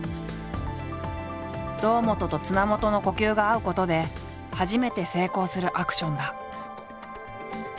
堂本と綱元の呼吸が合うことで初めて成功するアクションだ。